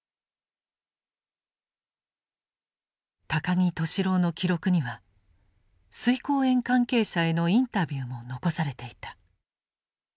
高木俊朗の記録には萃香園関係者へのインタビューも残されていた。